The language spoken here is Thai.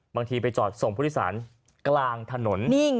ไปจอดส่งผู้โดยสารกลางถนน